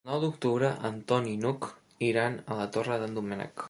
El nou d'octubre en Ton i n'Hug iran a la Torre d'en Doménec.